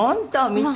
見た？